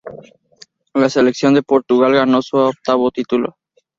La selección de Portugal ganó su octavo título.